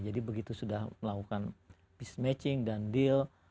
jadi begitu sudah melakukan business matching dan deal